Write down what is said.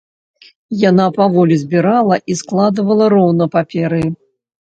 Яна паволі збірала і складвала роўна паперы.